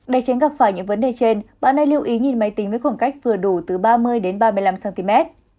để tránh gặp phải những vấn đề trên bạn ấy lưu ý nhìn máy tính với khoảng cách vừa đủ từ ba mươi đến ba mươi năm cm